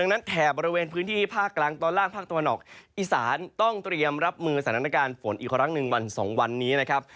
ดังนั้นแถบบริเวณพื้นที่ภาคกลางตอนล่างภาคตะวันออกอีสานต้องเตรียมรับมือสถานการณ์ฝนอีกครั้งหนึ่งวัน๒วันนี้นะครับ